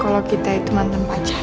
kalau kita itu mantan pajak